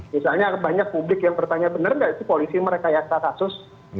misalnya banyak publik yang bertanya benar nggak sih polisi mereka yang setasasus